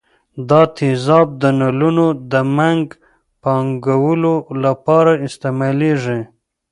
دا تیزاب د نلونو د منګ د پاکولو لپاره استعمالیږي.